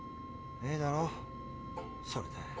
いいだろそれで。